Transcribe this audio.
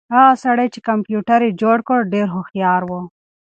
هغه سړی چې کمپیوټر یې جوړ کړ ډېر هوښیار و.